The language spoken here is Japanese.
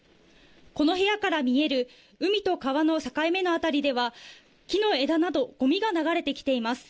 この部屋から見える海と川の境目の辺りでは木の枝などごみが流れてきています。